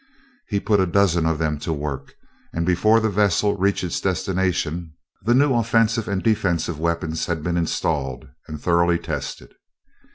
He put a dozen of them to work, and before the vessel reached its destination, the new offensive and defensive weapons had been installed and thoroughly tested.